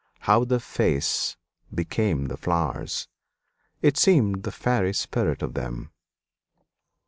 How the face became the flowers! It seemed the fairy spirit of them.